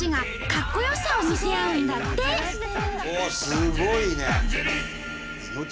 すごいね。